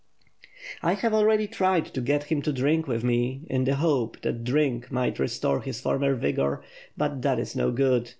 "I have already tried to get him to drink with me, in the hope that drink might restore his former vigor — but that is no good.